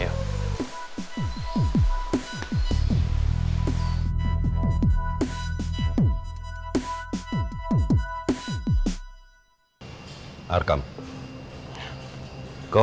kau harus segera mendapatkan kita